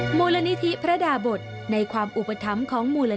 ขอปฏิญาณว่าข้าพเจ้าจะเป็นคนดี